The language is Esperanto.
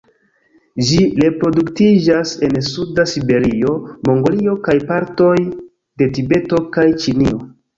Ĝi reproduktiĝas en suda Siberio, Mongolio kaj partoj de Tibeto kaj Ĉinio.